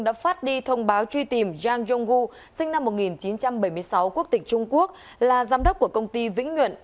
đã phát đi thông báo truy tìm zhang zhonggu sinh năm một nghìn chín trăm bảy mươi sáu quốc tịch trung quốc là giám đốc của công ty vĩnh nguyện